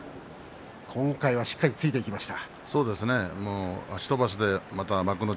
今回は武将山しっかりついていきました。